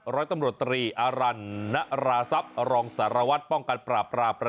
ร้อยตำรวจตรีอารณระทรัพย์รองสารวัฒน์ป้องกันปลา